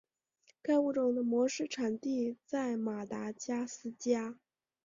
该物种的模式产地在马达加斯加。